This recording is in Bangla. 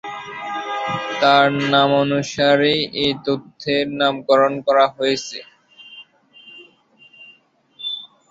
তার নামানুসারেই এই তথ্যের নামকরণ করা হয়েছে।